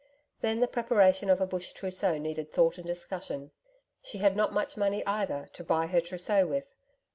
Then the preparation of a Bush trousseau needed thought and discussion. She had not much money, either, to buy her trousseau with.